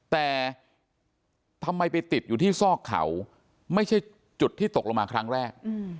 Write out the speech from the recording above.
แต่ทำไมไปติดอยู่ที่ซอกเขาไม่ใช่จุดที่ตกลงมาครั้งแรก